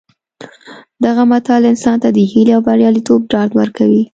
دغه متل انسان ته د هیلې او بریالیتوب ډاډ ورکوي